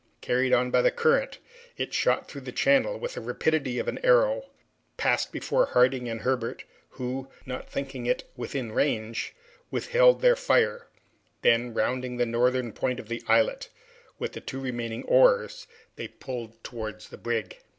Carried on by the current, it shot through the channel with the rapidity of an arrow, passed before Harding and Herbert, who, not thinking it within range, withheld their fire, then, rounding the northern point of the islet with the two remaining oars, they pulled towards the brig.